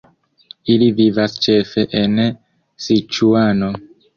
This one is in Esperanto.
Ili vivas ĉefe en Siĉuano.